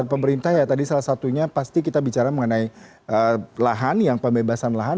pemerintah ya tadi salah satunya pasti kita bicara mengenai lahan yang pembebasan lahan